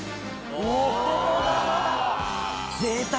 お！